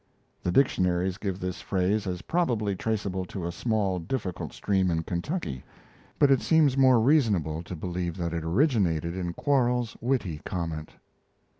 [The dictionaries give this phrase as probably traceable to a small, difficult stream in Kentucky; but it seems more reasonable to believe that it originated in Quarles's witty comment.